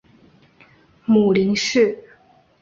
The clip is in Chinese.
母林氏。